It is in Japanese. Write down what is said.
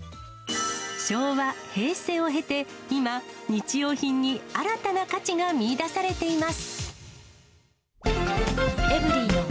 昭和、平成を経て、今、日用品に新たな価値が見いだされています。